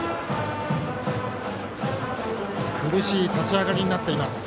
苦しい立ち上がりになっています